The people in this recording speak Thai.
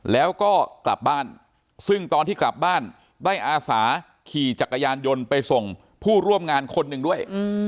แล้วก็กลับบ้านซึ่งตอนที่กลับบ้านได้อาสาขี่จักรยานยนต์ไปส่งผู้ร่วมงานคนหนึ่งด้วย